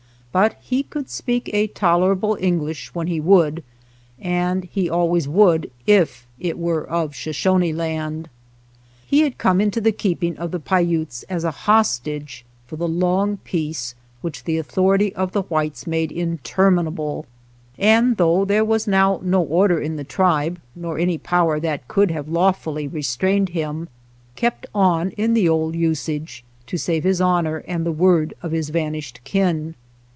But he could speak a tolerable English when he would, and he always would if it were of Shoshone Land. He had come into the keeping of the Paiutes as a hostage for the long peace which the authority of the whites made interminable, and, though there was now no order in the tribe, nor any power that could have lawfully restrained him, kept on in the old usage, to save his honor and the word of his vanished kin.